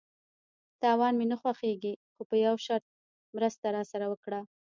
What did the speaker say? _تاوان مې نه خوښيږي، خو په يوه شرط، مرسته راسره وکړه!